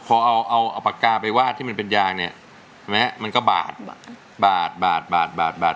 พอเอาเอาปากกาไปวาดที่มันเป็นยางเนี่ยแม้มันก็บาดบาดบาดบาดบาดบาด